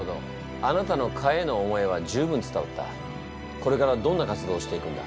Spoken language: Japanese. これからどんな活動をしていくんだ？